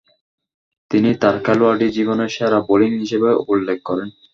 তিনি তার খেলোয়াড়ী জীবনের সেরা বোলিং হিসেবে উল্লেখ করেন।